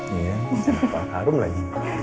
iya harum lagi